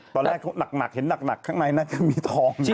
ตอนแรกเขาเห็นนักข้างในน่ะก็มีทอง